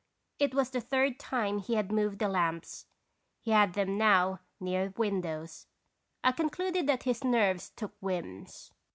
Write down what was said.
It was the third time he had moved the lamps ; he had them now near windows. I concluded that his nerves took whims.